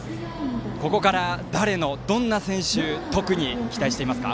ここから誰の、どんな選手に特に期待していますか？